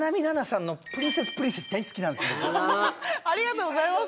ありがとうございます！